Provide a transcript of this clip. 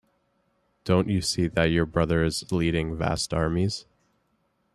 Don't you see that your brother is leading vast armies?